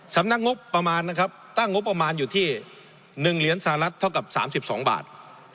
สำนักงบประมาณนะครับตั้งงบประมาณอยู่ที่๑เหรียญสหรัฐเท่ากับ๓๒บาท